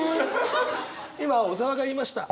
今小沢が言いました。